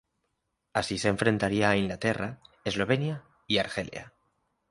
Así se enfrentaría a Inglaterra, Eslovenia y Argelia.